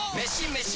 メシ！